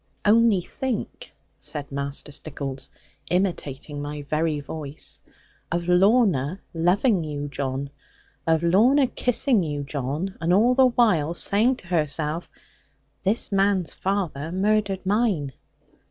'Only think,' said Master Stickles, imitating my very voice, 'of Lorna loving you, John, of Lorna kissing you, John; and all the while saying to herself, "this man's father murdered mine."